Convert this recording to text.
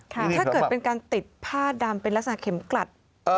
ถ้าเกิดเป็นการติดผ้าดำเป็นลักษณะเข็มกลัด